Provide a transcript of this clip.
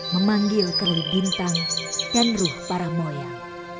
memanggil kerly bintang dan ruh para moyang